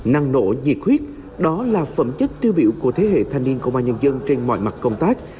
năng nổ nhiệt huyết đó là phẩm chất tiêu biểu của thế hệ thanh niên công an nhân dân trên mọi mặt công tác